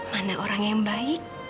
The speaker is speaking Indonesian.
mana orang yang baik